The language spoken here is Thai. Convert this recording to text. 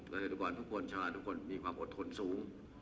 กระเทศทุกคนชาวนทุกคนมีความอดทนสูง